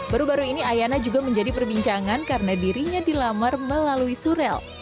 baru baru ini ayana juga menjadi perbincangan karena dirinya dilamar melalui surel